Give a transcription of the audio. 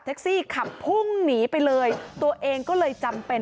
แต่แท็กซี่เขาก็บอกว่าแท็กซี่ควรจะถอยควรจะหลบหน่อยเพราะเก่งเทาเนี่ยเลยไปเต็มคันแล้ว